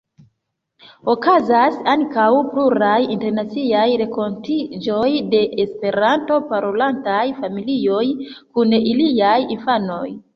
Okazas ankaŭ pluraj internaciaj renkontiĝoj de Esperanto-parolantaj familioj kun iliaj infanoj.